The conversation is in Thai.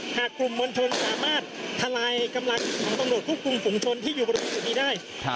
หากกลุ่มมวลชนสามารถทลายกำลังของตำรวจควบคุมฝุงชนที่อยู่บริเวณจุดนี้ได้